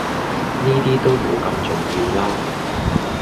呢啲都無咁重要喇